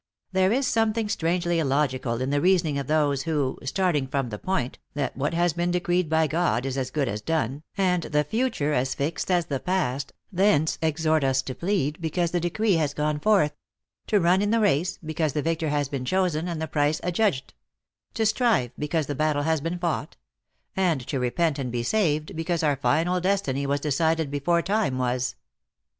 There is something strangely illogical in the reasoning of those who, starting from the point, that what has been decreed by God is as good as done, and the future as fixed as the past, thence exhort us to plead, because the de cree has gone forth ; to run in the race, because the victor has been chosen, and the prize adjudged; to strive, because the battle has been fought ; and to re pent and be saved, because our final destiny was decided before time was.